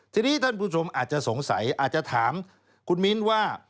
ทีนี้ท่านผู้ชมอาจจะสงสัยอาจจะถามคุณมิ้นว่า